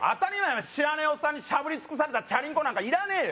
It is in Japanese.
知らねえおっさんにしゃぶりつくされたチャリンコなんかいらねえよ